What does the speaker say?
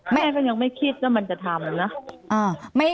แม่ก็ยังไม่คิดว่ามันจะทำนะ